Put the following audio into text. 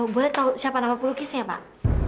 boleh tahu siapa nama pelukisnya pak